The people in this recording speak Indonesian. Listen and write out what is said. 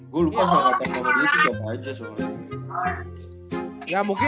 gak ada yang berdata sih kalau gue